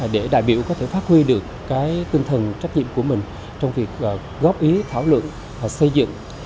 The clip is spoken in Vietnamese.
để đại biểu có thể phát huy được cái tinh thần trách nhiệm của mình trong việc góp ý thảo luận xây dựng